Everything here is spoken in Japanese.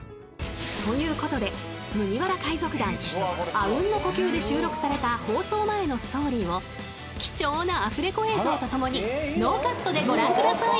［ということで麦わら海賊団あうんの呼吸で収録された放送前のストーリーを貴重なアフレコ映像とともにノーカットでご覧ください］